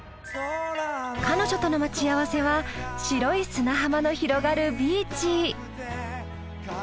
彼女との待ち合わせは白い砂浜の広がるビーチ。